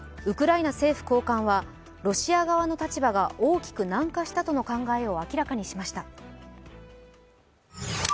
ウクライナ政府高官はロシア側の立場が大きく軟化したとの考えを明らかにしました。